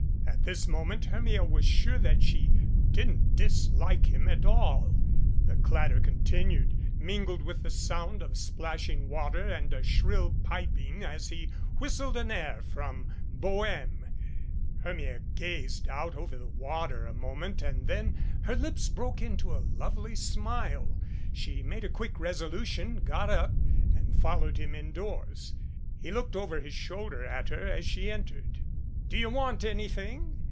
At this moment Hermia was sure that she didn't dislike him at all. The clatter continued, mingled with the sound of splashing water and a shrill piping as he whistled an air from "Boheme." Hermia gazed out over the water a moment and then her lips broke into a lovely smile. She made a quick resolution, got up and followed him indoors. He looked over his shoulder at her as she entered. "Do you want anything?"